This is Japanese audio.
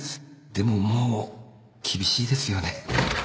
でももう厳しいですよね